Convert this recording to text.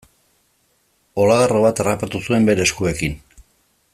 Olagarro bat harrapatu zuen bere eskuekin.